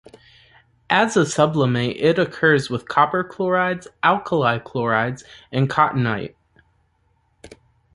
As a sublimate it occurs with copper chlorides, alkali chlorides and cotunnite.